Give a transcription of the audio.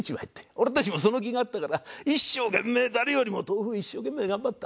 俺たちもその気があったから一生懸命誰よりも豆腐を一生懸命頑張った。